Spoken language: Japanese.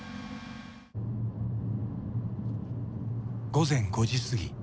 午前５時過ぎ。